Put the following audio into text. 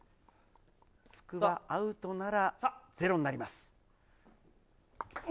福場、アウトなら０になります。